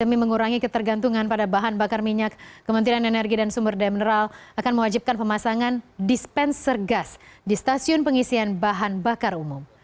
demi mengurangi ketergantungan pada bahan bakar minyak kementerian energi dan sumber daya mineral akan mewajibkan pemasangan dispenser gas di stasiun pengisian bahan bakar umum